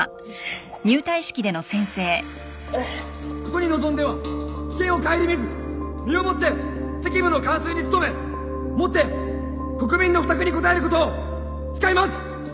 事に臨んでは危険を顧みず身をもって責務の完遂に努めもって国民の負託にこたえることを誓います！